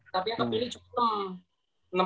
tapi yang kepilih cuma enam